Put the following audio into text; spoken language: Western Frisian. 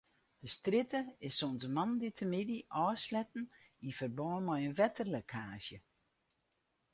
De strjitte is sûnt moandeitemiddei ôfsletten yn ferbân mei in wetterlekkaazje.